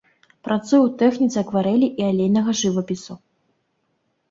Працуе ў тэхніцы акварэлі і алейнага жывапісу.